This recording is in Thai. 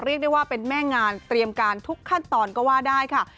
เรียกได้ว่าเป็นแม่งานเตรียมการทุกขั้นตอนก็ว่าได้ค่ะ